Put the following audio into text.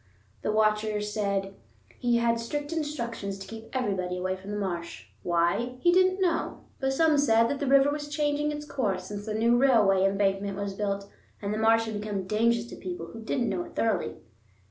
The Watcher said he had strict instructions to keep everybody away from the marsh. Why? He didn't know, but some said that the river was changing its course since the new railway embankment was built, and the marsh had become dangerous to people who didn't know it thoroughly.